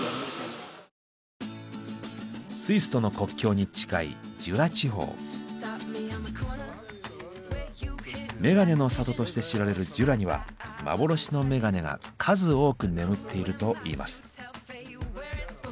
スイスとの国境に近いメガネの里として知られるジュラには幻のメガネが数多く眠っているといいます。